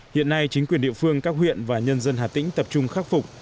hiện nay chính quyền địa phương các huyện và nhân dân hà tĩnh tập trung khắc phục